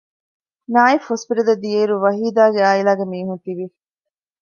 ނާއިފް ހޮސްޕިޓަލަށް ދިޔައިރު ވަހީދާގެ އާއިލާގެ މީހުން ތިވި